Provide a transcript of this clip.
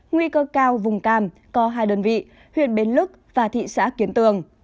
nguy cơ cao vùng cam có hai đơn vị huyện bến lức và thị xã kiến tường